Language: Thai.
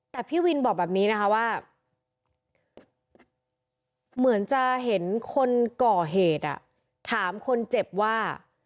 แต่พี่วินบอกแบบนี้นะคะว่าเหมือนจะเห็นคนก่อเหตุถามคนเจ็บว่า